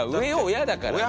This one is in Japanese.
親だからね。